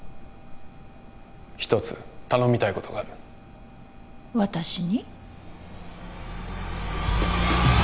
一つ頼みたいことがある私に？